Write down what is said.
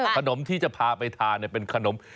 ขนมที่จะพาไปทานเป็นขนม